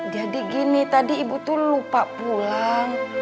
jadi gini tadi ibu tuh lupa pulang